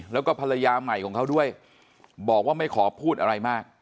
แล้วก็ภรรยาใหม่ของเขาด้วยบอกว่าไม่ขอพูดอะไรมาก